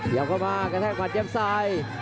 ย้ำเข้ากระแพงขวาเสียบซ้าย